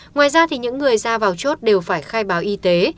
ngoài ra thì những người ra vào chốt đều phải khai báo y tế